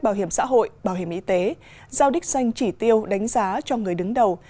bảo hiểm xã hội bảo hiểm y tế giao đích danh chỉ tiêu đánh giá cho người đứng đầu